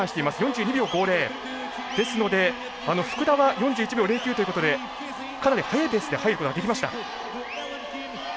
ですので、福田は４１秒０９ということでかなり速いペースで入ることができました。